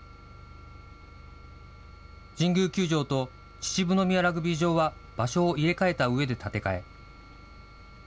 神宮球場と秩父宮ラグビー場は場所を入れ替えたうえで建て替え。